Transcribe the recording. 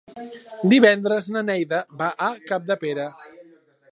Divendres na Neida va a Capdepera.